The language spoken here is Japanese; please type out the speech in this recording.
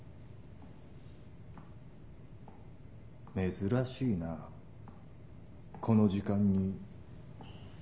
珍しいなこの時間に。